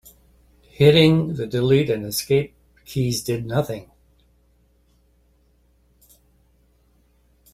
Hitting the delete and escape keys did nothing.